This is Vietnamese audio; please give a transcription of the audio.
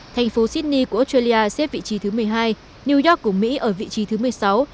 thành phố sydney của australia xếp vị trí thứ một mươi hai new york của mỹ ở vị trí thứ một mươi sáu